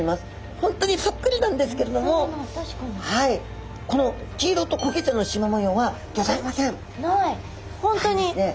本当にそっくりなんですけれどもこの黄色と焦げ茶のしま模様はギョざいません。